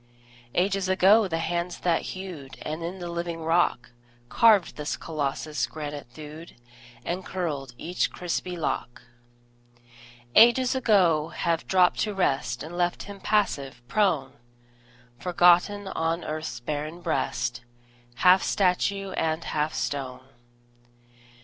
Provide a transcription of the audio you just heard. Ages ago the hands that hewed, And in the living rock Carved this Colossus, granite thewed And curled each crispy lock: Ages ago have dropped to rest And left him passive, prone, Forgotten on earth's barren breast, Half statue and half stone.